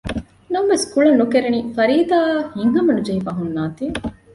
ނަމަވެސް ގުޅަން ނުކެރެނީ ފަރީދާ ހިތްހަމަ ނުޖެހިފައި ހުންނާތީ